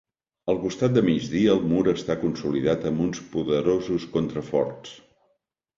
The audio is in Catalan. Al costat de migdia el mur està consolidat amb uns poderosos contraforts.